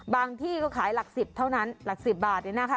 ที่ก็ขายหลัก๑๐เท่านั้นหลัก๑๐บาทเลยนะคะ